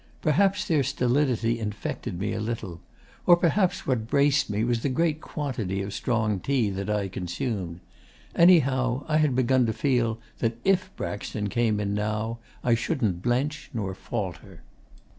Perhaps their stolidity infected me a little. Or perhaps what braced me was the great quantity of strong tea that I consumed. Anyhow I had begun to feel that if Braxton came in now I shouldn't blench nor falter.